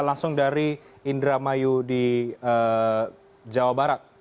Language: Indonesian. sayang terima kasih